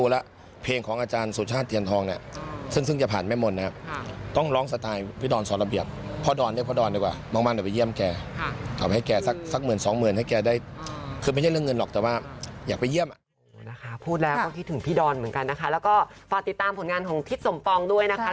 แล้วก็ฝากติดตามผลงานของพี่สมปองด้วยนะคะ